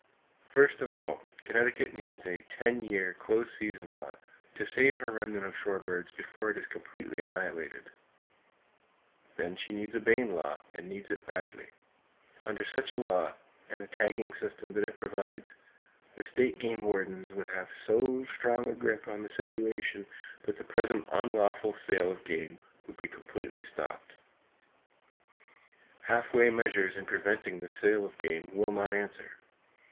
First of all, Connecticut needs a ten year close season law to save her remnant of shore birds before it is completely annihilated. Then she needs a Bayne law, and needs it badly. Under such a law, and the tagging system that it provides, the state game wardens would have so strong a grip on the situation that the present unlawful sale of game would be completely stopped. Half way measures in preventing the sale of game will not answer.